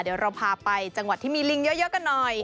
เดี๋ยวเราพาไปจังหวัดที่มีลิงเยอะกันหน่อย